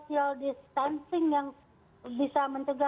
tapi juga siapa siapa yang bisa menemukan yang bisa diperhatikan